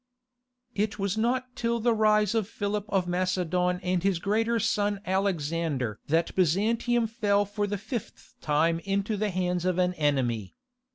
It was not till the rise of Philip of Macedon and his greater son Alexander that Byzantium fell for the fifth time into the hands of an enemy.